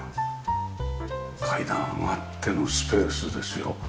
階段上がってのスペースですよ。